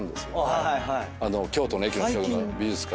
京都の駅の近くの美術館。